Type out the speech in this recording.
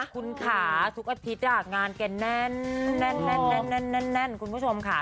คุณค่ะทุกอาทิตย์งานแกแน่นคุณผู้ชมค่ะ